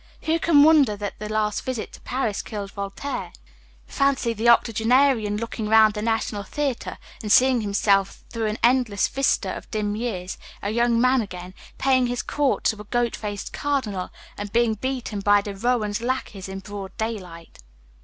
Who can wonder that the last visit to Paris killed Voltaire? Fancy the octogenarian looking round the national theatre, and seeing himself, through an endless vista of dim years, a young man again, paying his court to a "goat faced cardinal," and being beaten by De Rohan's lackeys in broad daylight.